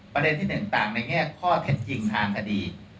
ประเด็นที่๑ต่างในแง่ข้อเท็จจริงทางคดี